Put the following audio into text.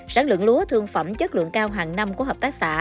sản lượng lúa thương phẩm chất lượng cao hàng năm của hợp tác xã